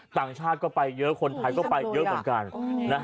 ต่างชาติก็ไปเยอะคนไทยก็ไปเยอะเหมือนกัน